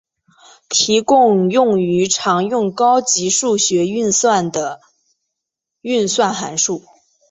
提供用于常用高级数学运算的运算函数。